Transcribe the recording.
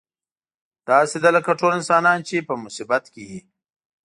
داسې ده لکه ټول انسانان چې په مصیبت کې وي.